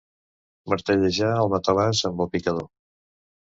Martellejar el matalàs amb el picador.